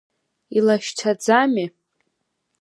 Илашьцаӡаме!